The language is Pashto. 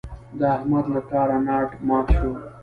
د احمد له کاره ناټ مات شو.